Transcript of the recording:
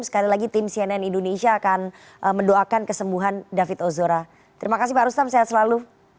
sekali lagi tim cnn indonesia akan mendoakan kesembuhan david ozora terima kasih pak rustam sehat selalu